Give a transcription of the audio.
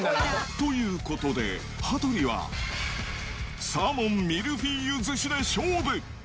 ということで、羽鳥はサーモンミルフィーユ寿司で勝負。